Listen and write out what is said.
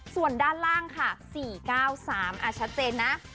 ส่วนด้านล่างค่ะ๔๙๓ชัดเจนนะ